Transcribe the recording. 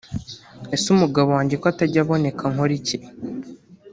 Ese umugabo wanjye ko atajya aboneka nkore iki